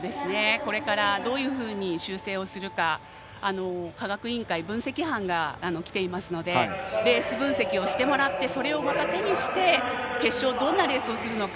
これからどういうふうに修正するか、科学委員会分析班が来ていますのでレース分析をしてもらってそれをまた手にして決勝どんなレースにするのか。